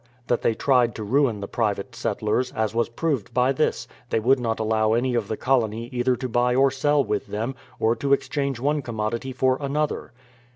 That they tried to ruin the private settlers, as was proved by this: they would not allow any of the colony either to buy or sell with them, or to exchange one commodity for another.